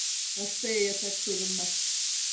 Hastaya yatak sorulmaz.